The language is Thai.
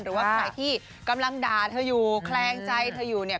หรือว่าใครที่กำลังด่าเธออยู่แคลงใจเธออยู่เนี่ย